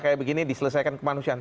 kayak begini diselesaikan kemanusiaan